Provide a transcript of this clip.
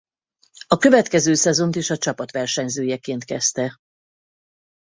A következő szezont is a csapat versenyzőjeként kezdte.